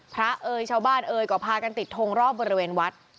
เอ่ยชาวบ้านเอ่ยก็พากันติดทงรอบบริเวณวัด